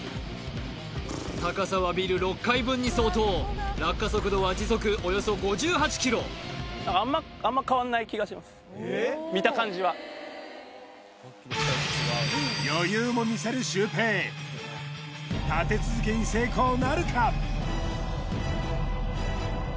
高さはビル６階分に相当落下速度は時速およそ５８ｋｍ見た感じは余裕も見せるシュウペイ立て続けに成功なるか？